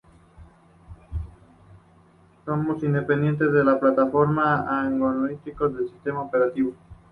Somos independientes de la plataforma y agnósticos del sistema operativo.